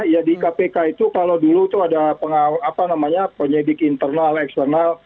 ya di kpk itu kalau dulu itu ada penyidik internal eksternal